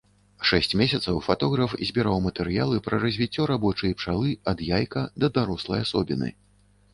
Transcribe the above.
Шэсць месяцаў фатограф збіраў матэрыялы пра развіццё рабочай пчалы ад яйка да дарослай асобіны.